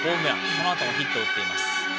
そのあともヒットを打っています。